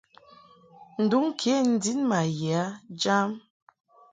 Nduŋ ke n-din ma ye a jam.